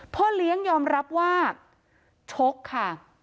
พ่อเลี้ยงยอมรับว่าชกค่ะ